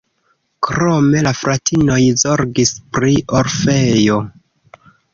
Krome la fratinoj zorgis pri orfejo.